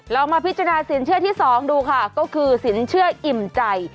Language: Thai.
ลองมาพิจารณาสินเชื่อที่๒ดูค่ะก็คือสินเชื่ออิ่มใจ